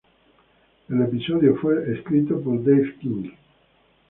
El episodio fue escrito por Dave King.